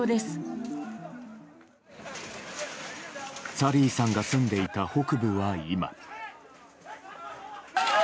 サリーさんが住んでいた北部は今。